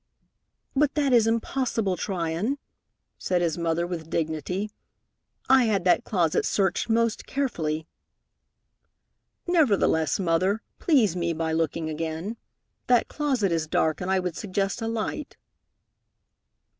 "But that is impossible, Tryon," said his mother, with dignity. "I had that closet searched most carefully." "Nevertheless, Mother, please me by looking again. That closet is dark, and I would suggest a light."